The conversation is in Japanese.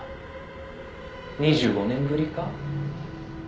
「２５年ぶりか？」